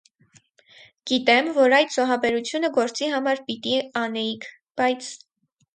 - Գիտեմ, որ այդ զոհաբերությունը գործի համար պիտի անեիք, բայց…